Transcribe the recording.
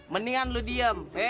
mendingan lu diem